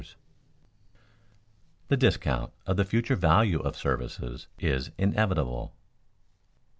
[Sidenote: The discount of the future value of services is inevitable] 4.